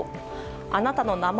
あなたの名前